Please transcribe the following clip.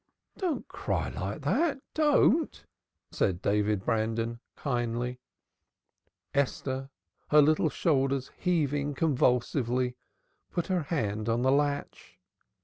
"Don't cry like that! Don't!" said David Brandon kindly. Esther, her little shoulders heaving convulsively, put her hand on the latch.